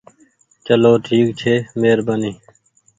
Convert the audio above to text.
چلو ٺيڪ ڇي مهربآني ۔